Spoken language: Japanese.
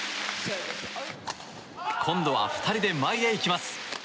今度は、２人で前へ行きます。